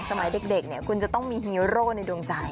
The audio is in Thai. สมัยเด็กเนี่ยคุณจะต้องมีฮีโร่ในดวงใจ